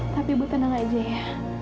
tapi ibu tenang aja ya